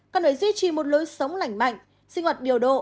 cần phải duy trì một lối sống lành mạnh sinh hoạt điều độ